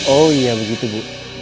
oh iya begitu bu